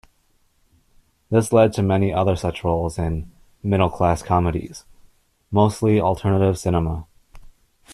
This led to many other such roles in "middle-class" comedies, mostly alternative cinema.